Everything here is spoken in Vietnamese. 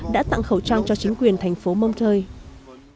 đã tặng khẩu trang cho chính quyền thành phố montree